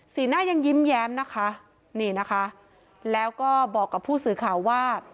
สีหน้ายังยิ้มแย้มแล้วก็บอกกับผู้สื่อข่าวว่า